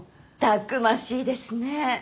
たくましいですね。